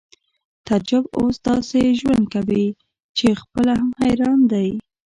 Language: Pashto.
تعجب اوس داسې ژوند کوي چې خپله هم حیران دی